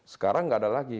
sekarang tidak ada lagi